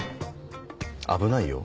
危ないよ？